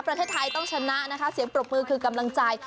ประเทศไทยต้องชนะนะคะเสียงปรบมือคือกำลังใจ